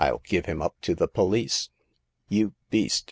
rU give him up to the police." " You beast